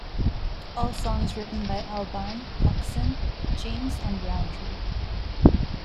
All songs written by Albarn, Coxon, James and Rowntree.